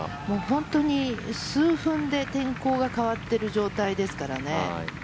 本当に数分で天候が変わっている状態ですからね。